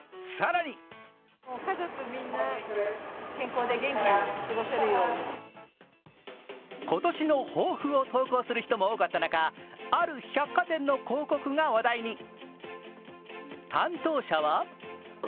更に今年の抱負を投稿する人も多かった中、ある百貨店の広告が話題に。